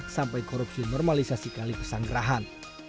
sampai korupsi normalisasi kali pesanggerahan